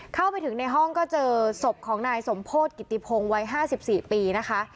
เข้าไปถึงในห้องก็เจอศพของนายสมโพธิกิติพงศ์วัย๕๔ปีนะคะ